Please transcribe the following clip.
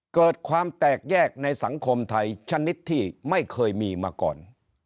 เกิดความแตกแยกในสังคมไทยชนิดที่ไม่เคยมีมาก่อน